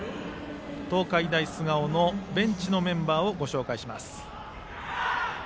東海大菅生のベンチのメンバーをご紹介します。